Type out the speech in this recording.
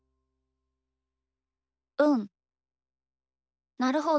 うんなるほど。